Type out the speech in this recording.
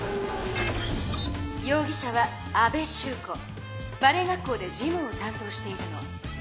ようぎ者はバレエ学校で事務をたん当しているの。